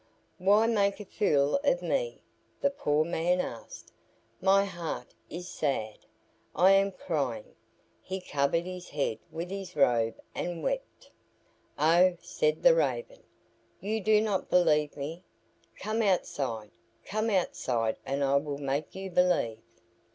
"Why make a fool of me?" the poor man asked. "My heart is sad. I am crying." He covered his head with his robe and wept. "Oh," said the Raven, "you do not believe me. Come outside, come outside, and I will make you believe."